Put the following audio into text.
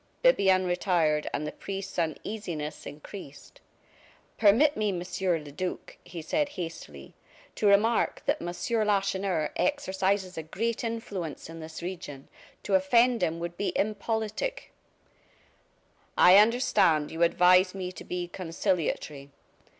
Bibiaine retired, and the priest's uneasiness increased. "Permit me, Monsieur le Duc," he said, hastily, "to remark that Monsieur Lacheneur exercises a great influence in this region to offend him would be impolitic " "I understand you advise me to be conciliatory.